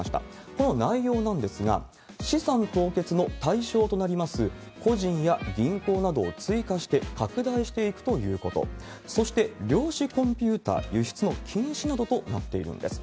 この内容なんですが、資産凍結の対象となります個人や銀行などを追加して拡大していくということ、そして、量子コンピューター輸出の禁止などとなっているんです。